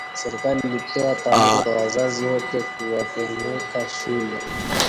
serikali ilitoa tamko kwa wazazi wote kuwapeleka shule